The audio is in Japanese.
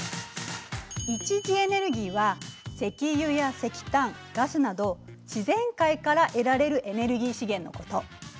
一次エネルギーは石油や石炭ガスなど自然界から得られるエネルギー資源のこと。